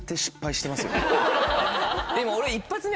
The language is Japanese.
でも俺。